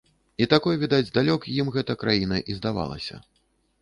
І такой, відаць, здалёк ім гэта краіна і здавалася.